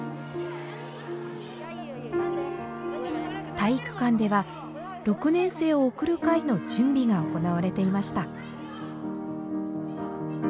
体育館では「６年生を送る会」の準備が行われていました。